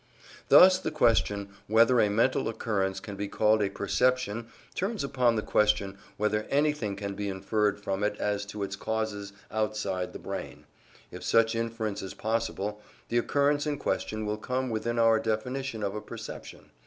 Thus the question whether a mental occurrence can be called a perception turns upon the question whether anything can be inferred from it as to its causes outside the brain: if such inference is possible, the occurrence in question will come within our definition of a perception.